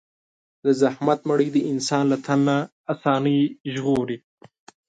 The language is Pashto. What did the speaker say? د زحمت مړۍ انسان له تن آساني نه ژغوري.